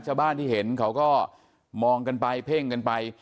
ชาวบ้านที่เห็นเขาก็มองกันไปเพ่งกันไป